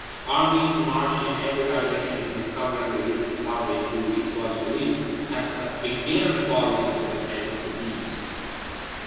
Armies marched in every direction to discover and release the sovereign, who, it was believed, had again fallen into the hands of Deevs.